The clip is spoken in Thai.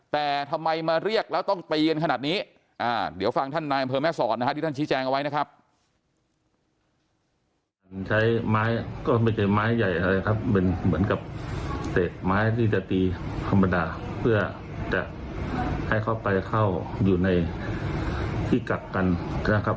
แต่ทำไมมาเรียกแล้วต้องไปยืนขนาดนี้อ่าเดี๋ยวฟังท่านนายอำเภอแม่สอดนะฮะ